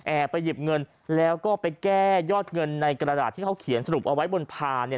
ไปหยิบเงินแล้วก็ไปแก้ยอดเงินในกระดาษที่เขาเขียนสรุปเอาไว้บนพานเนี่ย